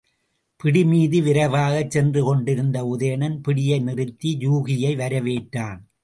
பிடிமீது விரைவாகச் சென்று கொண்டிருந்த உதயணன் பிடியை நிறுத்தி யூகியை வரவேற்றான்.